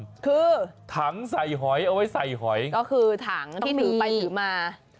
คือถังใส่หอยเอาไว้ใส่หอยก็คือถังที่ถือไปถือมา